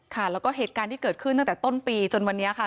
ค่ะแล้วก็เหตุการณ์ที่เกิดขึ้นตั้งแต่ต้นปีจนวันนี้ค่ะ